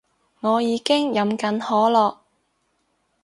我已經飲緊可樂